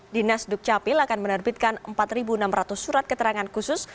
dinas dukcapil akan menerbitkan empat enam ratus surat keterangan khusus